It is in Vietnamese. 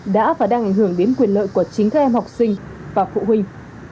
đang ảnh hưởng đến quyền lợi của chính các em học sinh và phụ huynh